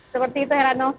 seperti itu herano